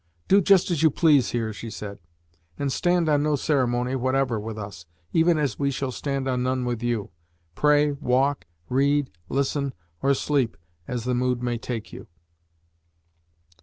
"Do just as you please here," she said, "and stand on no ceremony whatever with us, even as we shall stand on none with you. Pray walk, read, listen, or sleep as the mood may take you."